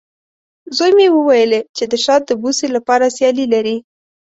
زوی مې وویلې، چې د شات د بوسې لپاره سیالي لري.